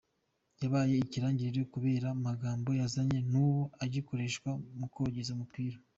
Yabaye ikirangirire kubera magambo yazanye n’ubu agikoreshwa mu kogeza umupira.